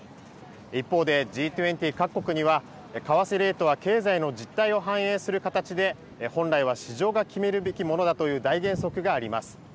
一方でＧ２０各国には、為替レートは経済の実体を反映する形で、本来は市場が決めるべきものだという大原則があります。